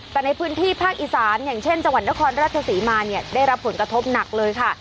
แต่ในพื้นที่ภาคอีสานอย่างเช่นจังหวัดนครราชศรีมาเนี่ยได้รับผลกระทบหนักเลยค่ะ